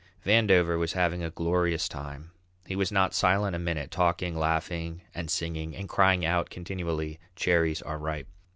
Vandover was having a glorious time; he was not silent a minute, talking, laughing, and singing, and crying out continually, "Cherries are ripe!"